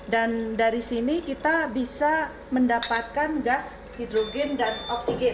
dan dari sini kita bisa mendapatkan gas hidrogen dan oksigen